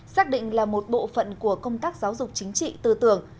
xác định là một bộ phận của công tác giáo dục chính trị tư tưởng